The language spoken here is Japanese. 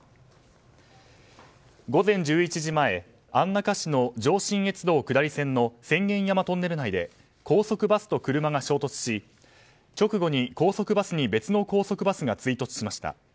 午前１１時前安中市の上信越道下り線の浅間山トンネル内で高速バスと車が衝突し、直後に高速バスに別の高速バスが追突しました。